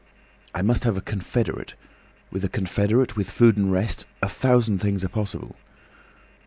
I must have a confederate. With a confederate, with food and rest—a thousand things are possible.